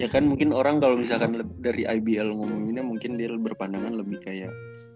ya kan mungkin orang kalau misalkan dari ibl ngomonginnya mungkin dia berpandangan lebih kayak